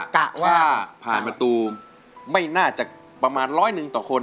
กะว่าผ่านประตูไม่น่าจะประมาณร้อยหนึ่งต่อคน